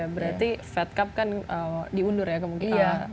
berarti fed cup kan diundur ya kemungkinan